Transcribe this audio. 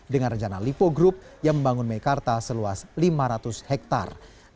dengan rencana lipo group yang membangun mekarta seluas lima ratus hektare